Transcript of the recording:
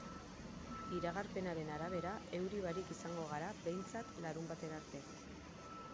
Iragarpenaren arabera, euri barik izango gara, behintzat larunbatera arte.